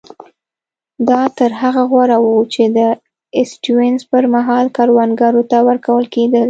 دا تر هغه غوره وو چې د سټیونز پر مهال کروندګرو ته ورکول کېدل.